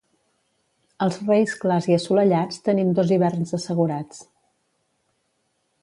Els Reis clars i assolellats, tenim dos hiverns assegurats.